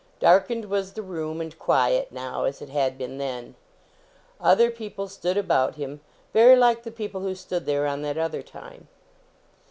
Darkened was the room, and quiet; now, as it had been then. Other people stood about him, very like the people who stood there on that other time.